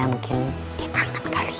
mungkin dia panget kali